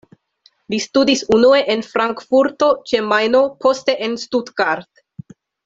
Li studis unue en Frankfurto ĉe Majno, poste en Stuttgart.